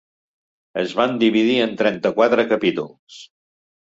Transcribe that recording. Es van dividir en trenta-quatre capítols.